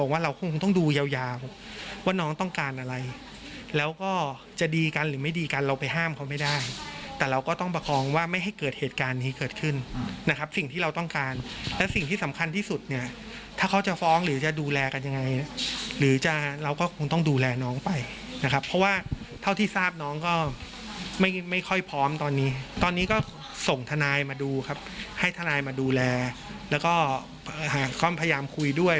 ว่าเราคงต้องดูยาวว่าน้องต้องการอะไรแล้วก็จะดีกันหรือไม่ดีกันเราไปห้ามเขาไม่ได้แต่เราก็ต้องประคองว่าไม่ให้เกิดเหตุการณ์นี้เกิดขึ้นนะครับสิ่งที่เราต้องการและสิ่งที่สำคัญที่สุดเนี่ยถ้าเขาจะฟ้องหรือจะดูแลกันยังไงหรือจะเราก็คงต้องดูแลน้องไปนะครับเพราะว่าเท่าที่ทราบน้องก็ไม่ไม่ค่อยพร้อมตอนนี้ตอนนี้ก็ส่งทนายมาดูครับให้ทนายมาดูแลแล้วก็พยายามคุยด้วย